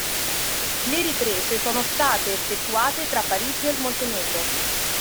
Le riprese sono state effettuate tra Parigi e il Montenegro.